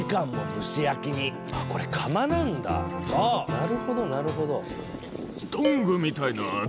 なるほどなるほど。